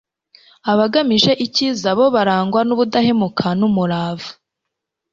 Abagamije icyiza bo barangwa n’ubudahemuka n’umurava